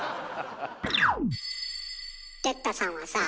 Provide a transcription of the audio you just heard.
哲太さんはさぁ。